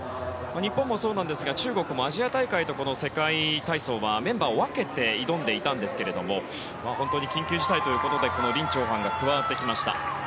日本もそうなんですが中国もアジア大会と世界体操はメンバーを分けて挑んでいたんですけども本当に緊急事態ということでこのリン・チョウハンが加わってきました。